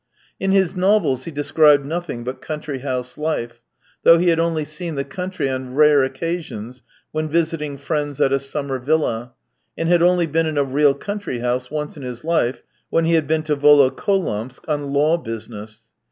In his novels he described nothing but country house life, though he had only seen the country on rare occasions when visiting friends at a summer villa, and had only been in a real country house once in his life, when he had been to Volo kolamsk on law business.